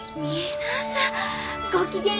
皆さん。